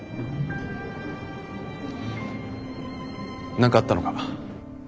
何かあったのか？